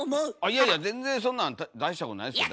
いやいや全然そんなん大したことないですよ